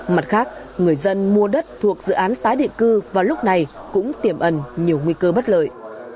mặt khác người dân mua đất thuộc dự án tái định cư vào lúc này cũng tiềm ẩn nhiều nguy cơ bất lợi